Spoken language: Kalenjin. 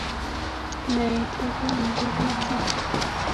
Naet kokonu rurutik